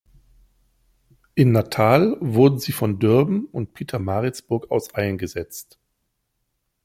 In Natal wurden sie von Durban und Pietermaritzburg aus eingesetzt.